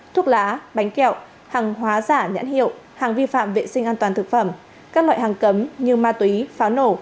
thuốc lá bánh kẹo hàng hóa giả nhãn hiệu hàng vi phạm vệ sinh an toàn thực phẩm các loại hàng cấm như ma túy pháo nổ